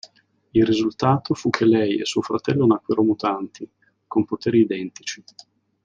Il risultato fu che lei e suo fratello nacquero mutanti, con poteri identici.